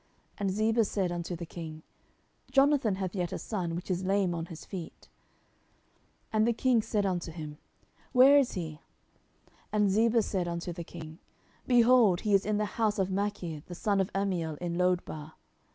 And Ziba said unto the king, Jonathan hath yet a son, which is lame on his feet. 10:009:004 And the king said unto him, Where is he? And Ziba said unto the king, Behold, he is in the house of Machir, the son of Ammiel, in Lodebar.